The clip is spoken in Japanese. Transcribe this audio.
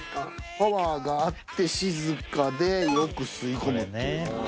パワーがあって静かでよく吸い込むっていう。